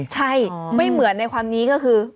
ใช่ไม่เหมือนในความนี้ก็คือ